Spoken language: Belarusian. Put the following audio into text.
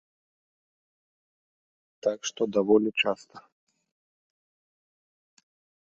Так што даволі часта.